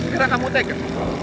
karena kamu tega